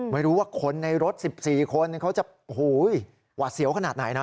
ไม่รู้ว่าคนในรถ๑๔คนเขาจะหวาดเสียวขนาดไหนนะ